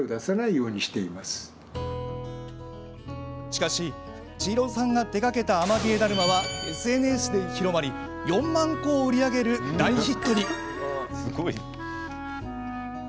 しかし、千尋さんが手がけたアマビエだるまはＳＮＳで広まり４万個を売り上げる大ヒットに。